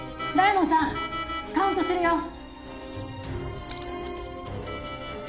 「大門さんカウントするよ！」